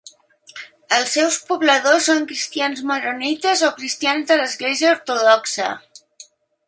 Els seus pobladors són cristians maronites o cristians de l'església ortodoxa.